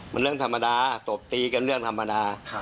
มันเรื่องธรรมดาตบตีกันเรื่องธรรมดา